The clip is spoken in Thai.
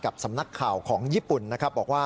กับสำนักข่าวของญี่ปุ่นบอกว่า